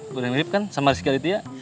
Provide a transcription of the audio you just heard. gue udah mirip kan sama reski aditya